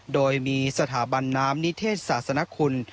โดยมีสถาบันน้ำนิเทศศาสนคุณ